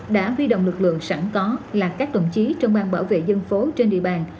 đã vi động lực lượng sẵn có là các tổng chí trong bang bảo vệ dân phố trên địa bàn